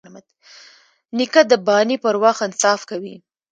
نیکه د بانې پر وخت انصاف کوي.